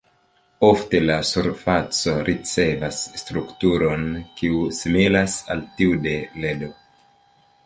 Ofte la surfaco ricevas strukturon kiu similas al tiu de ledo.